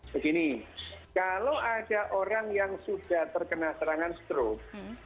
begini kalau ada orang yang sudah terkena serangan stroke